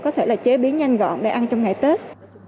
có thể là chế biến nhanh gọn để ăn trong ngày tết